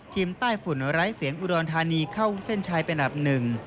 ใต้ฝุ่นไร้เสียงอุดรธานีเข้าเส้นชัยเป็นอันดับหนึ่ง